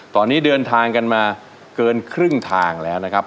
ตอนนี้เดินทางกันมาเกินครึ่งทางแล้วนะครับ